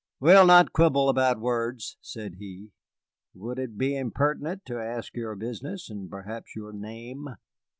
"We'll not quibble about words," said he. "Would it be impertinent to ask your business and perhaps your name?"